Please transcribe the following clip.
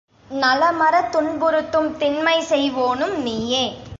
நலமறத் துன்பு றுத்தும் தின்மைசெய் வோனும் நீயே!